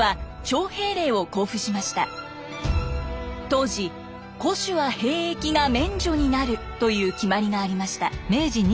当時戸主は兵役が免除になるという決まりがありました。